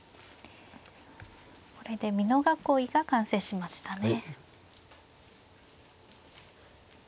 これで美濃囲いが完成しましたね。